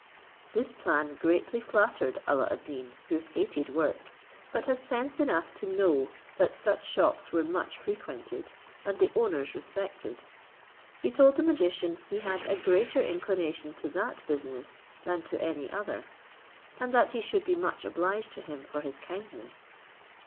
This plan greatly flattered Alla ad Deen, who hated work, but had sense enough to know that such shops were much frequented, and the owners respected. He told the magician he had a greater inclination to that business than to any other, and that he should be much obliged to him for his kindness.